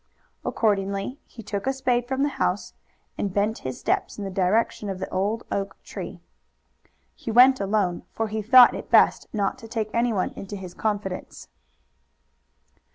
Accordingly, he took a spade from the house, and bent his steps in the direction of the old oak tree. He went alone, for he thought it best not to take anyone into his confidence.